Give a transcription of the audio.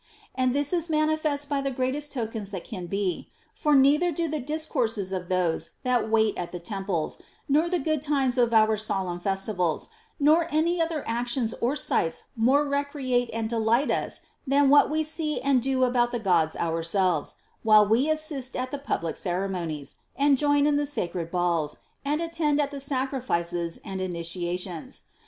And this is manifest by the greatest tokens that can be ; for neither do the discourses of those that wait at the temples, nor the good times of our solemn festivals, nor any other actions or sights more recreate and delight us than what we see and do about the Gods ourselves, while we assist at the public ceremonies, and join in the sacred balls, and attend at the sacrifices and initiations.